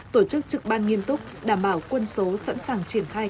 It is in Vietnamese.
tổ chức trực ban nghiêm túc đảm bảo quân số sẵn sàng triển khai